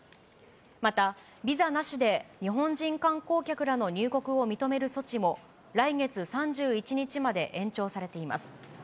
また、ビザなしで日本人観光客らの入国を認める措置も、来月３１日まで延長されています。